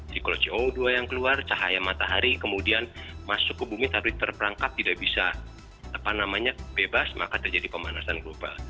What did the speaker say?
psikolog co dua yang keluar cahaya matahari kemudian masuk ke bumi tapi terperangkap tidak bisa bebas maka terjadi pemanasan global